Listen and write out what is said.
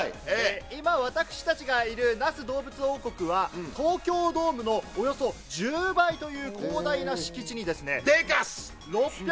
今、私たちがいる那須どうぶつ王国は東京ドームのおよそ１０倍という広大な敷地に。